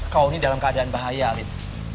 kau ini dalam keadaan bahaya gitu